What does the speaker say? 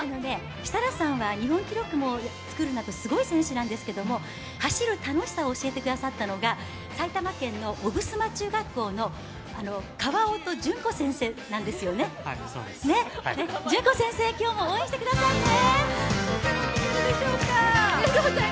設楽さんは日本記録も作るなどすごい選手なんですけど走る楽しさを教えてくださったのが埼玉県の男衾中学校の先生なんですよね、今日も応援してくださいね。